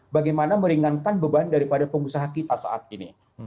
bagaimana meringankan beban daripada pengusaha kita saat ini